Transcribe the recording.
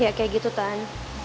ya kayak gitu tan